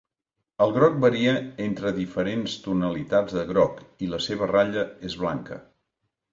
El groc varia entre diferents tonalitats de groc, i la seva ratlla és blanca.